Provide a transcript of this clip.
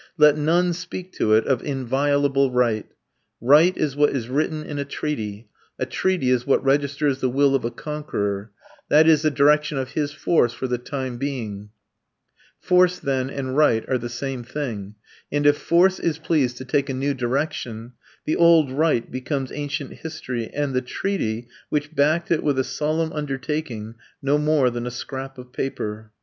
Let none speak to it of inviolable right! Right is what is written in a treaty; a treaty is what registers the will of a conqueror that is, the direction of his force for the time being: force, then, and right are the same thing; and if force is pleased to take a new direction, the old right becomes ancient history and the treaty, which backed it with a solemn undertaking, no more than a scrap of paper.